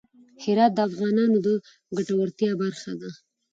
هرات د افغانانو د ګټورتیا برخه ده.